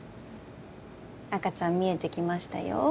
赤ちゃん見えてきましたよ